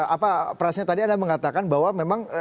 apa perannya tadi anda mengatakan bahwa memang